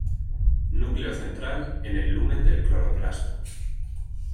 Núcleo central en el lumen del cloroplasto.